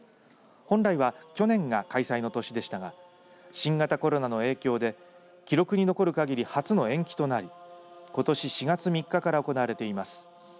本来は、去年が開催の年でしたが新型コロナの影響で記録に残るかぎり初の延期となりことし４月３日から行われています。